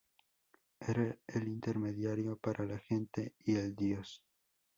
Era el intermediario para la gente y el dios.